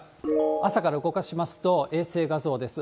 朝から動かしますと、衛星画像です。